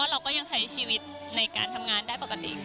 เราก็ยังใช้ชีวิตในการทำงานได้ปกติ